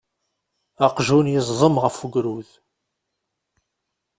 Aqjun yeẓdem af ugrud.